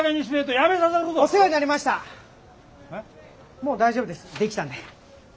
もう大丈夫です出来たんで。